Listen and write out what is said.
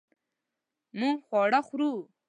مونږ خواړه خورو